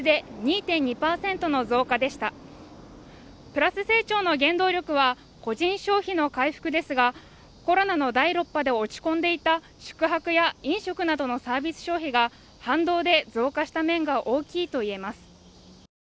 プラス成長の原動力は個人消費の回復ですがコロナの第６波で落ち込んでいた宿泊や飲食などのサービス消費が反動で増加した面が大きいといえます